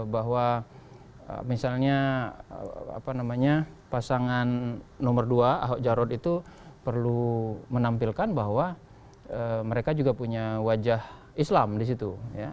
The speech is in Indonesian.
bahwa misalnya pasangan nomor dua ahok jarot itu perlu menampilkan bahwa mereka juga punya wajah islam di situ